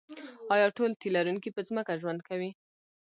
ایا ټول تی لرونکي په ځمکه ژوند کوي